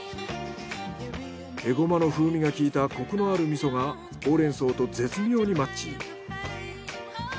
エゴマの風味がきいたコクのある味噌がホウレンソウと絶妙にマッチ。